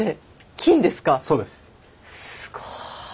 すごい。